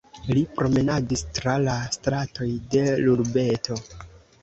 Li promenadis tra la stratoj de l'urbeto.